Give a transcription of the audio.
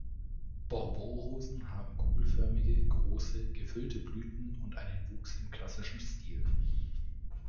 Bourbon-Rosen haben kugelförmige, große, gefüllte Blüten und einen Wuchs im klassischen Stil.